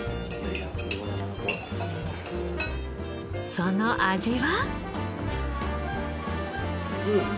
その味は？